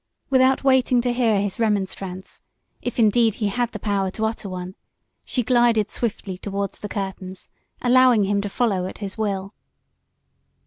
Without waiting to hear his remonstrance, if indeed he had the power to utter one, she glided swiftly toward the curtains, allowing him to follow at his will.